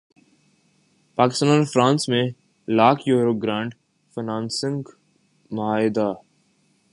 پاکستان اور فرانس میں lakh euro grant financing معاہدہ